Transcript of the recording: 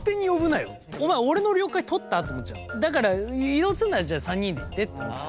だから移動するならじゃあ３人で行ってってなっちゃう。